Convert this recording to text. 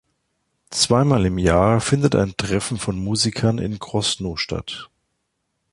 Zweimal im Jahr findet ein Treffen von Musikern in Krosno statt.